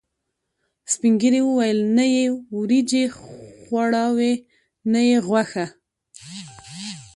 سپینږیرو ویل: نه یې وریجې خوړاوې، نه یې غوښه.